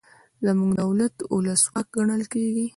زموږ دولت ولسواک ګڼل کیږي.